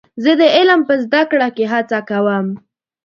زه د علم په زده کړه کې هڅه کوم.